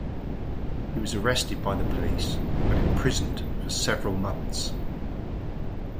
He was arrested by police and imprisoned for several months.